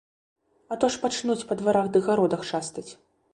А то ж пачнуць па дварах ды гародах шастаць.